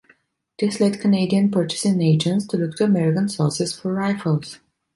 This led Canadian purchasing agents to look to American sources for rifles.